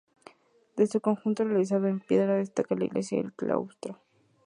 De su conjunto, realizado en piedra, destaca la iglesia y el claustro.